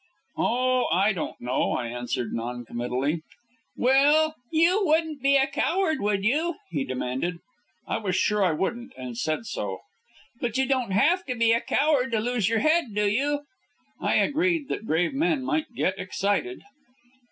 "Oh, I don't know," I answered non committally. "Well, you wouldn't be a coward, would you?" he demanded. I was sure I wouldn't and said so. "But you don't have to be a coward to lose your head, do you?" I agreed that brave men might get excited.